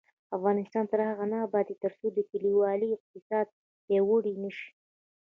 افغانستان تر هغو نه ابادیږي، ترڅو کلیوالي اقتصاد پیاوړی نشي.